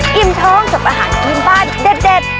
กินท้องกับอาหารที่ยืมบ้านเด็ด